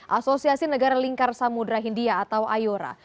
asosiasi negara lingkar samudera hindia atau ayora